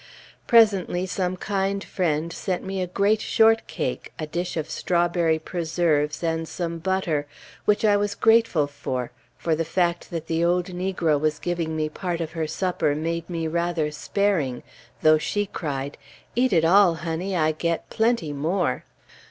Presently some kind friend sent me a great short cake, a dish of strawberry preserves, and some butter, which I was grateful for, for the fact that the old negro was giving me part of her supper made me rather sparing, though she cried, "Eat it all, honey! I get plenty more!"